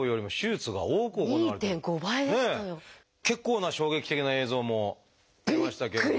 結構な衝撃的な映像も出ましたけれども。